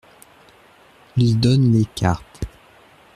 Il donne les cartes.